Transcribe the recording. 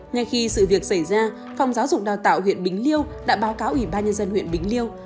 ngay khi sự việc xảy ra phòng giáo dục đào tạo huyện bình liêu đã báo cáo ủy ban nhân dân huyện bình liêu